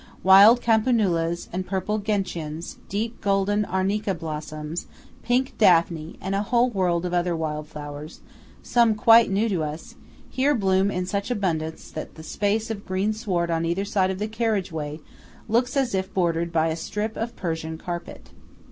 Wild campanulas and purple gentians, deep golden Arnica blossoms, pink Daphne, and a whole world of other wild flowers, some quite new to us, here bloom in such abundance that the space of green sward on either side of the carriage way looks as if bordered by a strip of Persian carpet.